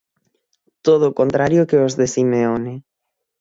Todo o contrario que os de Simeone.